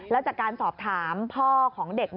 แล้วจากการสอบถามพ่อของเด็ก